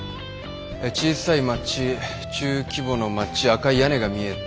小さい町中規模の町赤い屋根が見えて。